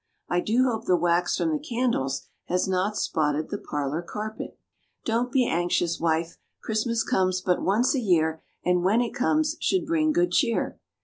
I do hope the wax from the candles has not spotted the parlor carpet." "Don't be anxious, wife; 'Christmas comes but once a year, and when it comes should bring good cheer.'"